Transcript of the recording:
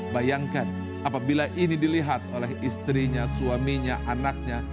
bayangkan apabila ini dilihat oleh istrinya suaminya anaknya